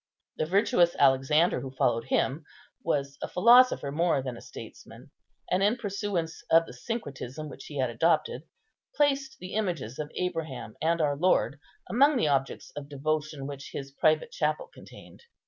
The virtuous Alexander, who followed him, was a philosopher more than a statesman; and, in pursuance of the syncretism which he had adopted, placed the images of Abraham and our Lord among the objects of devotion which his private chapel contained.